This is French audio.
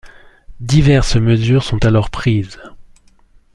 Diverses mesures sont alors prises.